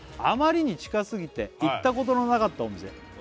「あまりに近すぎて行ったことのなかったお店」